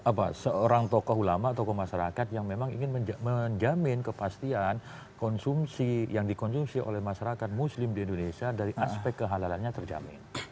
dan berarti ada yang terlalu lama tokoh masyarakat yang memang ingin menjamin kepastian konsumsi yang dikonsumsi oleh masyarakat muslim di indonesia dari aspek kehalalannya terjamin